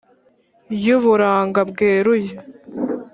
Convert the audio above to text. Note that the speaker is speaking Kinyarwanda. y’uburanga bweruye